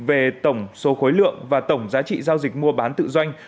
về tổng số khối lượng và tổng giá trị giao dịch mua bán tự doanh